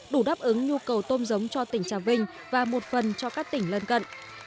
đủ đáp ứng nhu cầu tôm giống cho tỉnh trà vinh và một phần cho các tỉnh lân cận